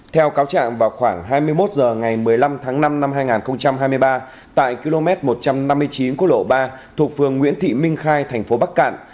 theo cáo trạng vào khoảng hai mươi một h ngày một mươi năm tháng năm năm hai nghìn hai mươi ba tại km một trăm năm mươi chín của lộ ba thuộc phường nguyễn thị minh khai thành phố bắc cạn